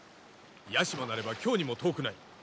屋島なれば京にも遠くない。